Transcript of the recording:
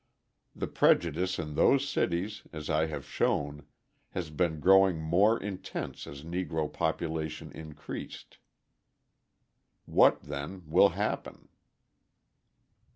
The prejudice in those cities, as I have shown, has been growing more intense as Negro population increased. What, then, will happen?